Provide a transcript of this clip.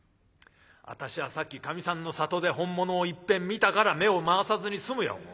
私はさっきかみさんの里で本物をいっぺん見たから目を回さずに済むよ